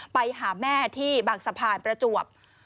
ไปหาแม่ที่บางสะพานประจวบ